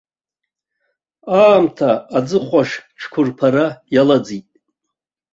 Аамҭа аӡыхәашь-цәқәырԥара иалаӡит.